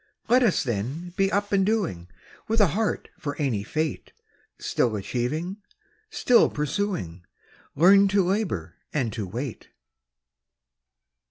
Let us, then, be up and doing, With a heart for any fate; Still achieving, still pursuing, Learn to labor and to wait.